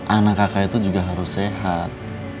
anak kakak itu juga harus sehat